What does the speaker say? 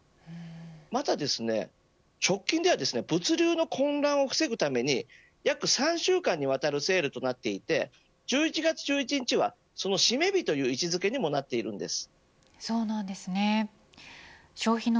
また、直近では物流の混乱を防ぐために約３週間にわたるセールとなっていて１１月１１日は、その締め日という位置付けにもなっています。